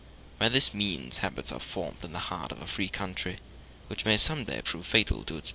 By this means habits are formed in the heart of a free country which may some day prove fatal to its liberties.